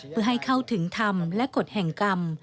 เพื่อให้เข้าถึงธรรมและกฎแห่งกรรม